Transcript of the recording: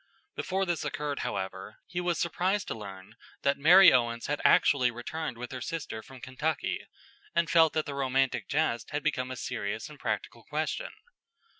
Before this occurred, however, he was surprised to learn that Mary Owens had actually returned with her sister from Kentucky, and felt that the romantic jest had become a serious and practical question.